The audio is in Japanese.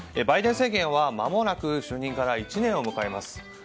バイデン政権はまもなく就任から１年を迎えます。